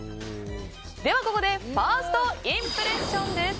ここでファーストインプレッションです。